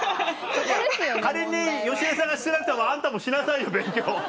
仮に芳根さんがしてなくてもあんたもしなさいよ勉強。